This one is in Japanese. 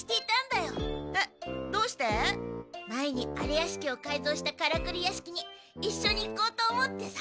前に荒れ屋敷をかいぞうしたカラクリ屋敷にいっしょに行こうと思ってさ。